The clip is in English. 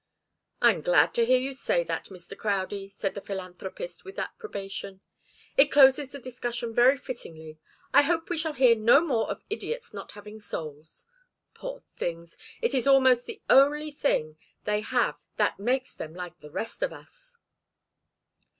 "I am glad to hear you say that, Mr. Crowdie," said the philanthropist with approbation. "It closes the discussion very fittingly. I hope we shall hear no more of idiots not having souls. Poor things! It is almost the only thing they have that makes them like the rest of us."